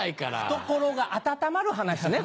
懐が温まる話ね